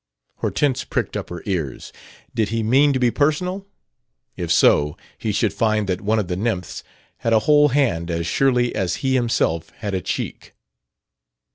Hortense pricked up her ears. Did he mean to be personal? If so, he should find that one of the nymphs had a whole hand as surely as he himself had a cheek.